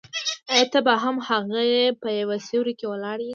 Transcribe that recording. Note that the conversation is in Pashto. آیا ته به هم هغه یې په یو سیوري کې ولاړ یې.